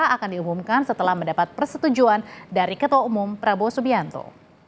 akan diumumkan setelah mendapat persetujuan dari ketua umum prabowo subianto